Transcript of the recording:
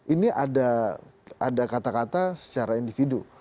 ini ada kata kata secara individu